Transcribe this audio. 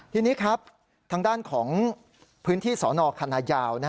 ทีนี้ครับทางด้านของพื้นที่สนคณะยาว